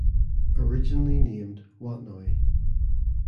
Originally named "Wat Noi".